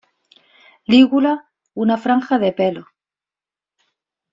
Lígula una franja de pelos.